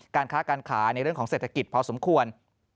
การค้าการขายในเรื่องของเศรษฐกิจพอสมควร